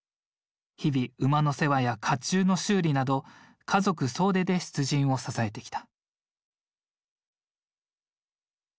日々馬の世話や甲冑の修理など家族総出で出陣を支えてきた。